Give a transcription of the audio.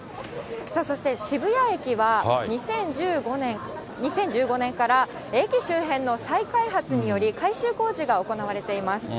さあ、そして渋谷駅は２０１５年から駅周辺の再開発により、改修工事が行われています。